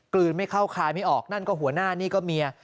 ลืนไม่เข้าคายไม่ออกนั่นก็หัวหน้านี่ก็เมีย